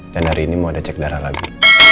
dan hari ini mau ada cek darah lagi